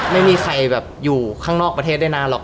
ไม่มีใครแบบอยู่ข้างนอกประเทศได้นานหรอก